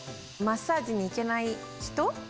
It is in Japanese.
マッサージに行けない人。